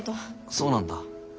そうなんだ。